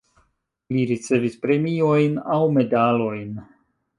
Li ricevis premiojn aŭ medalojn.